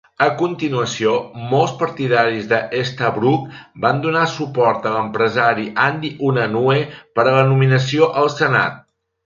A continuació, molts partidaris d'Estabrook van donar suport a l'empresari Andy Unanue per a la nominació al Senat.